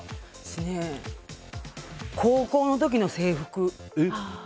高校の時の制服。